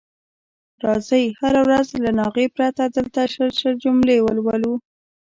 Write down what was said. راځئ هره ورځ له ناغې پرته دلته شل شل جملې ولولو.